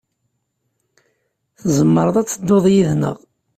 Tzemreḍ ad tedduḍ yid-neɣ.